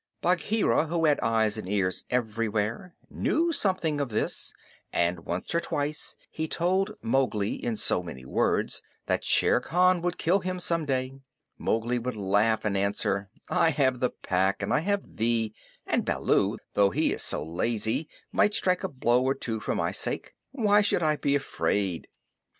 Bagheera, who had eyes and ears everywhere, knew something of this, and once or twice he told Mowgli in so many words that Shere Khan would kill him some day. Mowgli would laugh and answer: "I have the Pack and I have thee; and Baloo, though he is so lazy, might strike a blow or two for my sake. Why should I be afraid?"